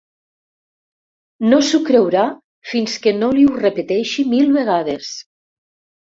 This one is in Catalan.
No s'ho creurà fins que no li ho repeteixi mil vegades.